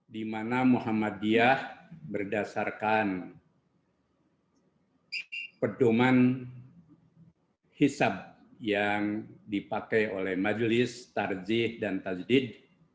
di mana muhammadiyah berdasarkan pedoman hisab yang dipakai oleh majelis tarjih dan tajdid